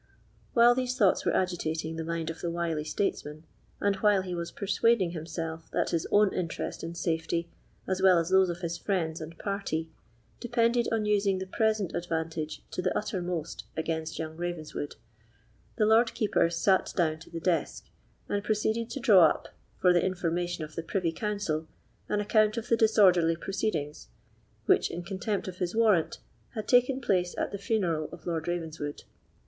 While these thoughts were agitating the mind of the wily statesman, and while he was persuading himself that his own interest and safety, as well as those of his friends and party, depended on using the present advantage to the uttermost against young Ravenswood, the Lord Keeper sate down to his desk, and proceeded to draw up, for the information of the privy council, an account of the disorderly proceedings which, in contempt of his warrant, had taken place at the funeral of Lord Ravenswood.